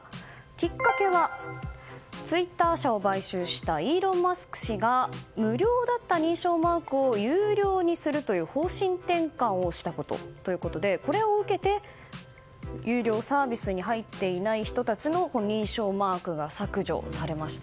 きっかけはツイッター社を買収したイーロン・マスク氏が無料だった認証マークを有料にするという方針転換をしたということでこれを受けて、有料サービスに入っていない人たちの認証マークが削除されました。